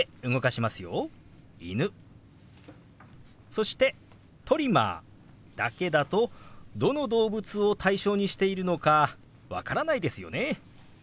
そして「トリマー」だけだとどの動物を対象にしているのか分からないですよね。